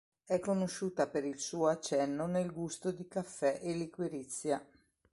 È conosciuta per il suo accenno nel gusto di caffè e liquirizia.